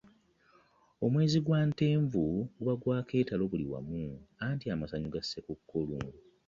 Omwezi gwa Ntenvu guba gwa keetalo buli wamu anti amasanyu ga ssekukkulu.